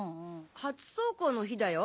初走行の日だよ。